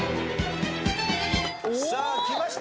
さあきました。